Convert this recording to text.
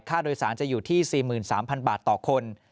โดยสารจะอยู่ที่๔๓๐๐บาทต่อคน